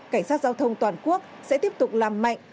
cảnh sát giao thông toàn quốc sẽ tiếp tục làm mạnh